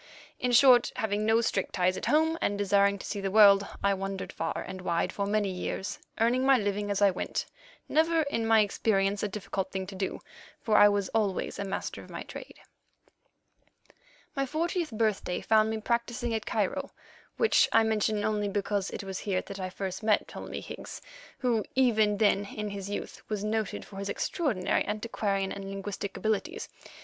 In short, having no strict ties at home, and desiring to see the world, I wandered far and wide for many years, earning my living as I went, never, in my experience, a difficult thing to do, for I was always a master of my trade. My fortieth birthday found me practising at Cairo, which I mention only because it was here that first I met Ptolemy Higgs, who, even then in his youth, was noted for his extraordinary antiquarian and linguistic abilities.